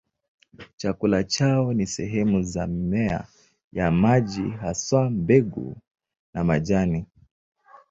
Chakula chao ni sehemu za mimea ya maji, haswa mbegu na majani.